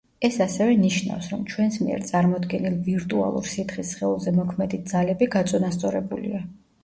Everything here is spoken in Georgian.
ეს ასევე ნიშნავს, რომ ჩვენს მიერ წარმოდგენილ ვირტუალურ სითხის სხეულზე მოქმედი ძალები გაწონასწორებულია.